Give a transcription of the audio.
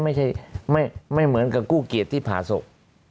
ไม่เหมือนกับกู้เกียรติที่ผ่าศพ